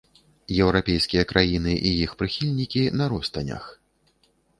Еўрапейскія краіны і іх прыхільнікі на ростанях.